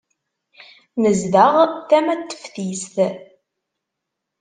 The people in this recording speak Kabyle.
Nezdeɣ tama n teftist.